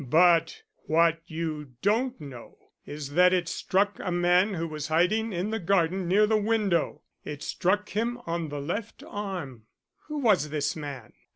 But what you don't know is that it struck a man who was hiding in the garden near the window. It struck him in the left arm." "Who was this man?"